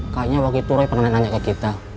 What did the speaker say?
kayaknya waktu itu roy pernah nanya ke kita